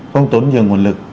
không tốn nhiều nguồn lực